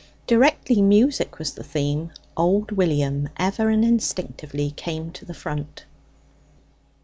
Directly music was the theme, old William ever and instinctively came to the front.